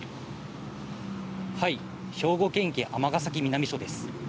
兵庫県警尼崎南署です。